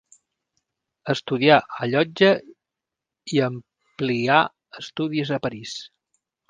Estudià a Llotja i amplià estudis a París.